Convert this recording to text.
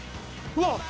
うわ。